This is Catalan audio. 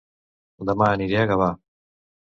Dema aniré a Gavà